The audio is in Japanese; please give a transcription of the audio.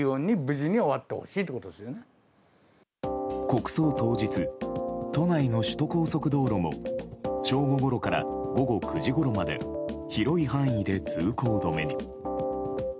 国葬当日都内の首都高速道路も正午ごろから午後９時ごろまで広い範囲で通行止めに。